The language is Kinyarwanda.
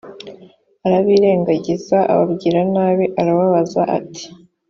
arabirengagiza ababwira nabi arababaza ati